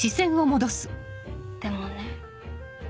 でもね。